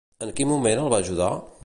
En quin moment el va ajudar?